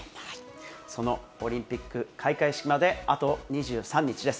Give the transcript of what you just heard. そのオリンピック開会式まで、あと２３日です。